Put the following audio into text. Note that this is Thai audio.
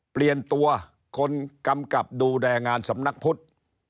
เปลี่ยนตัวคนกำกับดูแลงานสำนักพุทธ